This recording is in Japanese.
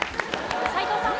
斎藤さん。